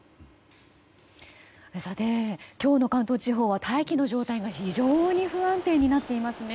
今日の関東地方は大気の状態が非常に不安定になっていますね。